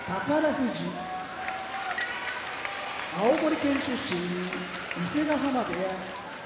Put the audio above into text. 富士青森県出身伊勢ヶ濱部屋